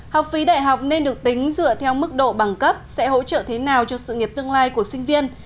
học phí đại học nên được tính dựa theo mức độ bằng cấp sẽ hỗ trợ thế nào cho sự nghiệp tương lai của sinh viên